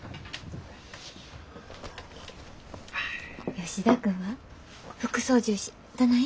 吉田君は副操縦士どない？